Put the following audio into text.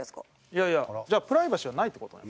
いやいやじゃあプライバシーはないって事なの？